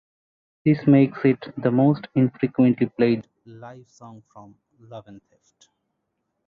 This makes it the most infrequently played live song from "Love and Theft".